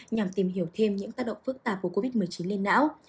nhằm tìm hiểu thêm những tác động phức tạp của covid một mươi chín lên não